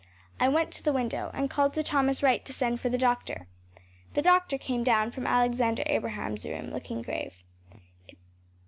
I went to the window and called to Thomas Wright to send for the doctor. The doctor came down from Alexander Abraham’s room looking grave.